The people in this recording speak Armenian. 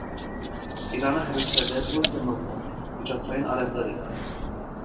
Իրանը հետզհետե դուրս է մղվում միջազգային առևտրից։